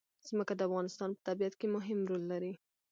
ځمکه د افغانستان په طبیعت کې مهم رول لري.